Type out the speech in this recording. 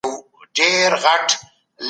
څنګه په افکارو کي انعطاف ذهن له فشار څخه ساتي؟